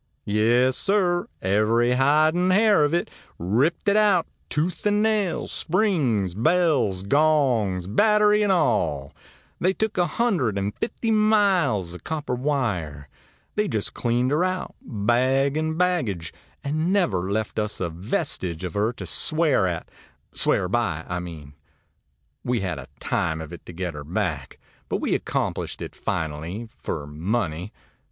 yes, sir, every hide and hair of it: ripped it out, tooth and nail; springs, bells, gongs, battery, and all; they took a hundred and fifty miles of copper wire; they just cleaned her out, bag and baggage, and never left us a vestige of her to swear at swear by, I mean. ãWe had a time of it to get her back; but we accomplished it finally, for money.